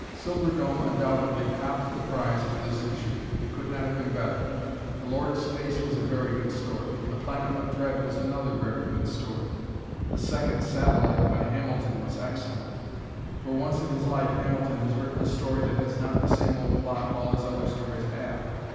"Silver Dome" undoubtedly copped the prize for this issue. It could not have been better. "The Lord of Space" was a very good story. "The Planet of Dread" was another very good story. "The Second Satellite," by Hamilton, was excellent. For once in his life Hamilton has written a story that has not the same old plot all his other stories have!